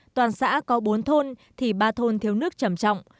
toàn xã có bốn thôn thì ba thôn thiếu nước trầm trọng